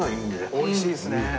美味しいですね。